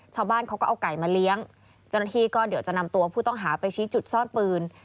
ชาวบ้านเขาก็เอาไก่มาเลี้ยงเจ้าหน้าที่ก็เดี๋ยวจะนำตัวผู้ต้องหาไปชี้จุดซ่อนปืน